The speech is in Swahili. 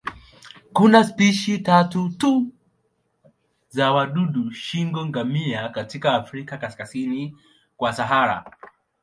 Kuna spishi tatu tu za wadudu shingo-ngamia katika Afrika kaskazini kwa Sahara.